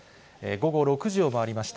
午後６時を回りました。